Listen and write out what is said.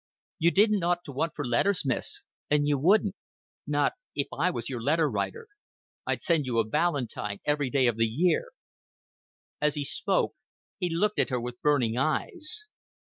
"You didn't ought to want for letters, miss, and you wouldn't not if I was your letter writer. I'd send you a valentine every day of the year." As he spoke, he looked at her with burning eyes.